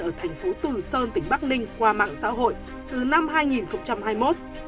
ở thành phố tử sơn tỉnh bắc ninh qua mạng xã hội từ năm hai nghìn hai mươi một